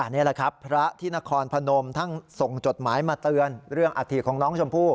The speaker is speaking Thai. นี่แหละครับพระที่นครพนมท่านส่งจดหมายมาเตือนเรื่องอาถิของน้องชมพู่